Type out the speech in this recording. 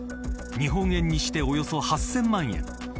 日本円にしておよそ８０００万円。